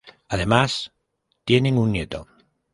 Además tienen un nieto.